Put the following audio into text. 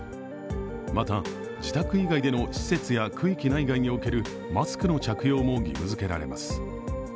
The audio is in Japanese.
また、自宅以外での施設や区域内外におけるマスクの着用も義務づけられます。